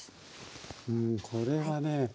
うんこれはね